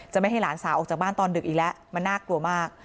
ไม่ให้หลานสาวออกจากบ้านตอนดึกอีกแล้วมันน่ากลัวมาก